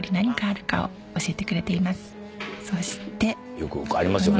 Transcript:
よくありますよね